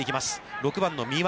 ６番の三羽。